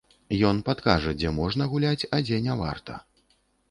Ён падкажа, дзе можна гуляць, а дзе не варта.